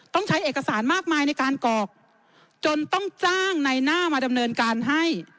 ต้องใช้เอกสารมากมายในการกรอกจนต้องจ้างในหน้ามาดำเนินการให้